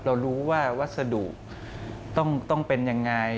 เรารู้ว่าวัสดุต้องเป็นยังไง